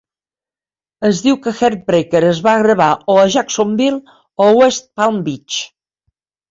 Es diu que "Heartbreaker" es va gravar "o a Jacksonville o a West Palm Beach".